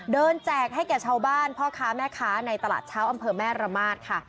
แจกให้แก่ชาวบ้านพ่อค้าแม่ค้าในตลาดเช้าอำเภอแม่ระมาทค่ะ